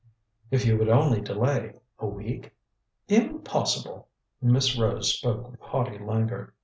"If you would only delay a week " "Impossible." Miss Rose spoke with haughty languor.